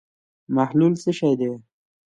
محلول څه شی دی.